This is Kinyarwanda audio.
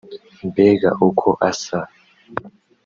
Mbega uko asa